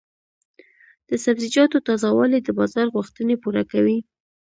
د سبزیجاتو تازه والي د بازار غوښتنې پوره کوي.